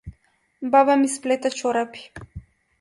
Баба ми сплете чорапи.